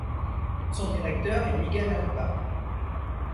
Son directeur est Miguel Alba.